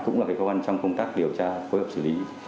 cũng là cái khó khăn trong công tác điều tra phối hợp xử lý